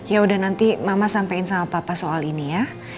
ya udah nanti mama sampaikan sama papa soal ini ya